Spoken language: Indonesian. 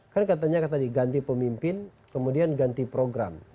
kan katanya tadi ganti pemimpin kemudian ganti program